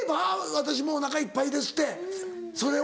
「私もうお腹いっぱいです」ってそれは。